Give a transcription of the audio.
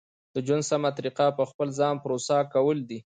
د ژوند سمه طریقه په خپل ځان بروسه کول دي.